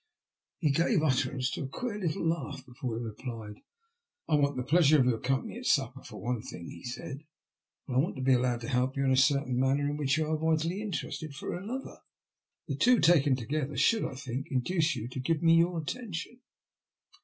He gave utterance to a queer little laugh before he replied :*' I want the pleasure of your company at supper for one thing," he said. And I want to be allowed to help you in a certain matter in which you are vitally interested, for another. The two taken together should, I think, induce you to give me your attention."